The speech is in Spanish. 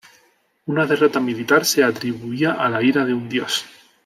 Una derrota militar se atribuía a la ira de un dios.